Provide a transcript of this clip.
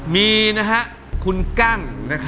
มีคุณกั้ง